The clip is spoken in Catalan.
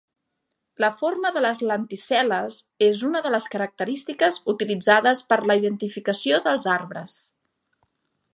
La forma de les lenticel·les és una de les característiques utilitzades per a la identificació dels arbres.